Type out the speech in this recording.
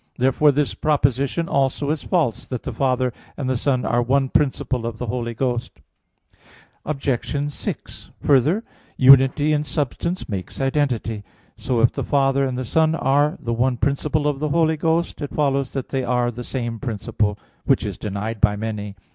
Therefore this proposition also is false, that the Father and the Son are one principle of the Holy Ghost. Obj. 6: Further, unity in substance makes identity. So if the Father and the Son are the one principle of the Holy Ghost, it follows that they are the same principle; which is denied by many.